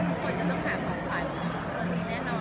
ทุกคนจะต้องแบกของขวัญช่วงนี้แน่นอน